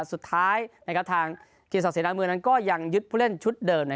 สุดท้ายทางกิจศักดิเสนาเมืองนั้นก็ยังยึดผู้เล่นชุดเดิม